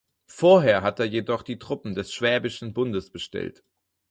Vorher hat er jedoch die Truppen des Schwäbischen Bundes bestellt.